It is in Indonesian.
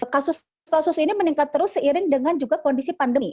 kasus kasus ini meningkat terus seiring dengan juga kondisi pandemi